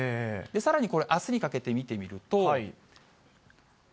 さらに、あすにかけて見てみると。